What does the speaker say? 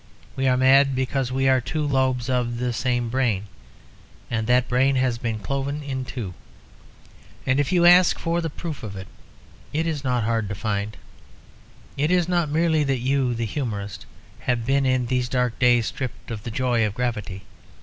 We are mad, because we are two lobes of the same brain, and that brain has been cloven in two. And if you ask for the proof of it, it is not hard to find. It is not merely that you, the humorist, have been in these dark days stripped of the joy of gravity.